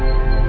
ya udah deh